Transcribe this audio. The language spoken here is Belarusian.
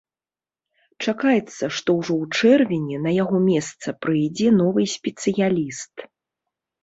Чакаецца, што ўжо ў чэрвені на яго месцы прыйдзе новы спецыяліст.